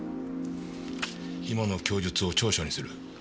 今の供述を調書にする。